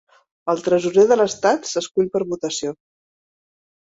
El tresorer de l'estat s'escull per votació.